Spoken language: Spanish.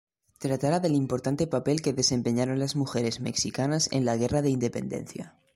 Tratara del importante papel que desempeñaron las mujeres mexicanas en la guerra de independencia.